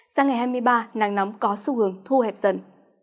sang ngày hai mươi ba nắng nóng có xu hướng thu hẹp dần